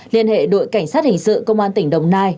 liên hệ đội cảnh sát hình sự công an tỉnh đồng nai